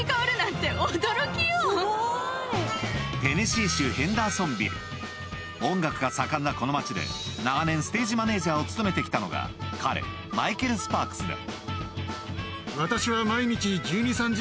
じゅじゅ１５万ドル⁉音楽が盛んなこの町で長年ステージマネジャーを務めて来たのが彼マイケル・スパークスだ